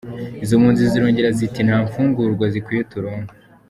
Izo mpunzi zirongera ziti, "nta mfungurwa zikwiye turonka.